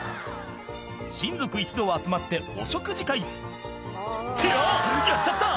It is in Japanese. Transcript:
親族一同集まってお食事会ってあぁやっちゃった！